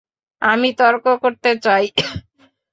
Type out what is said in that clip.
আমি তর্ক করতে চাই?